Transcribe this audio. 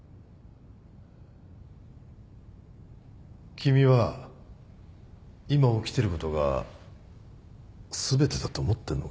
君は今起きてることが全てだと思ってんのか？